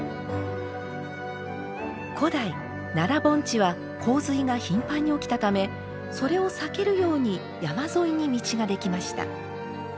古代奈良盆地は洪水が頻繁に起きたためそれを避けるように山沿いに道ができました。